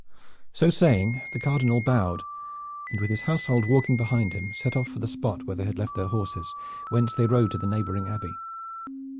So saying the Cardinal bowed, and with his household walking behind him set off for the spot where they had left their' horses, whence they rode to the neighboring Abbey.